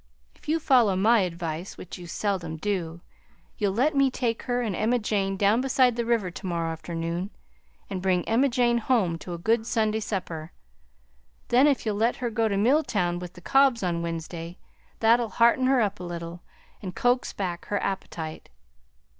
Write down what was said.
If you follow my advice, which you seldom do, you'll let me take her and Emma Jane down beside the river to morrow afternoon and bring Emma Jane home to a good Sunday supper. Then if you'll let her go to Milltown with the Cobbs on Wednesday, that'll hearten her up a little and coax back her appetite.